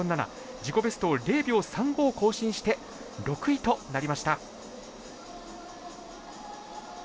自己ベストを０秒３５更新して６位となりました。